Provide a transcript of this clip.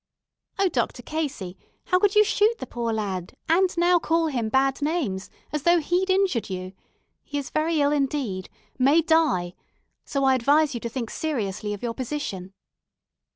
"Oh, Dr. Casey, how could you shoot the poor lad, and now call him bad names, as though he'd injured you? He is very ill indeed may die; so I advise you to think seriously of your position."